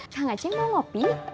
kang aceh mau kopi